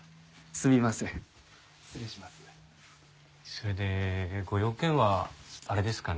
それでご用件はあれですかね？